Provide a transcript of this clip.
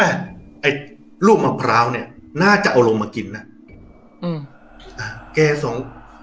ไอ้ลูกมะพร้าวเนี้ยน่าจะเอาลงมากินนะอืมอ่าแกสอง